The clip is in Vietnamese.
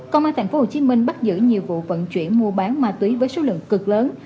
công an thành phố hồ chí minh bắt giữ nhiều vụ vận chuyển mua bán ma túy với số lượng cực lớn